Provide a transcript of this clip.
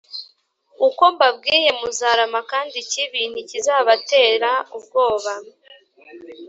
uko mbabwiye muzarama kandi ikibi ntikizabatera ubwoba.